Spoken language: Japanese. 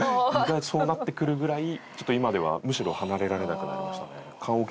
そうなってくるぐらい今ではむしろ離れられなくなりましたね。